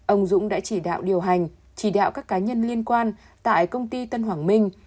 ông dũng đã chỉ đạo điều hành chỉ đạo các cá nhân liên quan tại công ty tân hoàng minh